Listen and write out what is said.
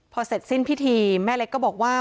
พอเสร็จสิ้นพิธีแม่เล็กก็บอกว่า